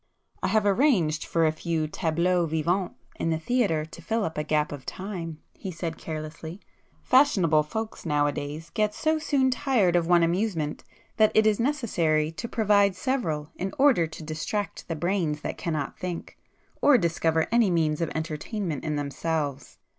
"I have arranged for a few 'tableaux vivants' in the theatre to fill up a gap of time;"—he said carelessly—"Fashionable folks now a days get so soon tired of one amusement that it is necessary to provide several in order to distract the brains that cannot think, or discover any means of entertainment in themselves.